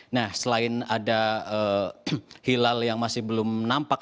nah selain ada hilal yang masih belum nampak